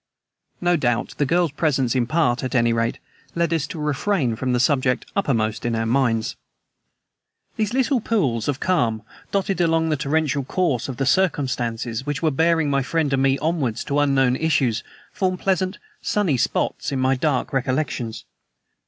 No doubt the girl's presence, in part, at any rate, led us to refrain from the subject uppermost in our minds. These little pools of calm dotted along the torrential course of the circumstances which were bearing my friend and me onward to unknown issues form pleasant, sunny spots in my dark recollections.